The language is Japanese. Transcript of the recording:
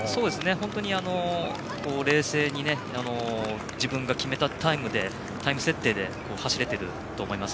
本当に冷静に自分が決めたタイム設定で走れていると思います。